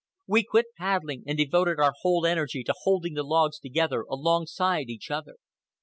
We quit paddling and devoted our whole energy to holding the logs together alongside each other.